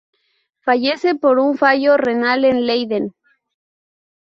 Fallece por un fallo renal en Leiden.